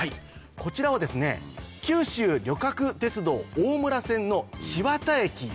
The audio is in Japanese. こちらは九州旅客鉄道大村線の千綿駅なんですね。